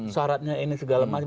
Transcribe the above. saratnya ini segala macam